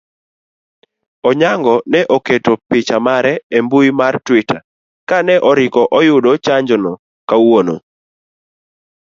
Onyango ne oketo picha mare embui mare mar twitter kane oriko oyudo chanjono kawuono